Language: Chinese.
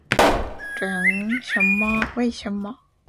纯路人，为什么主播的粉丝不抬头鼓掌而是在低头玩手机呢？